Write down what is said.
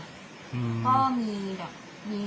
อืออืมก็มีแบบ